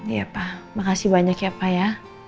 iya pak makasih banyak ya pak ya